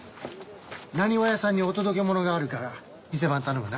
浪速屋さんにお届けものがあるから店番頼むな。